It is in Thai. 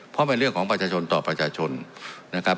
เพราะเป็นเรื่องของประชาชนต่อประชาชนนะครับ